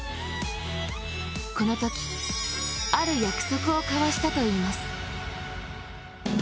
このときある約束を交わしたといいます。